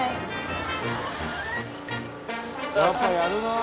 やっぱやるなぁ。